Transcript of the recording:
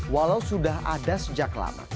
walau sudah ada sejak lama